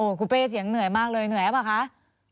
คุณเป้เสียงเหนื่อยมากเลยเหนื่อยหรือเปล่าคะ